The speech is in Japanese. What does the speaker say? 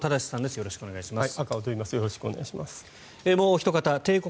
よろしくお願いします。